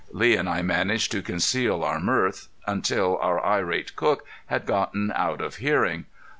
Lee and I managed to conceal our mirth until our irate cook had gotten out of hearing.